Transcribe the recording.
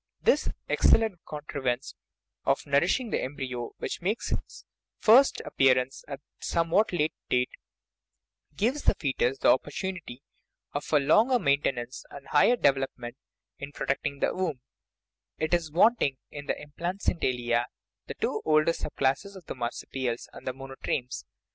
This excellent contrivance for nour ishing the embryo, which makes its first appearance at a somewhat late date, gives the foetus the opportunity of a longer maintenance and a higher development in the protecting womb; it is wanting in the implacen talia, the two older sub classes of the marsupials and the monotremes.